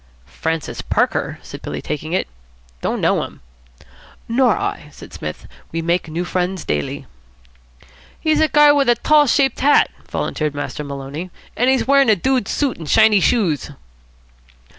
"'Francis Parker'?" said Billy, taking it. "Don't know him." "Nor I," said Psmith. "We make new friends daily." "He's a guy with a tall shaped hat," volunteered Master Maloney, "an' he's wearin' a dude suit an' shiny shoes."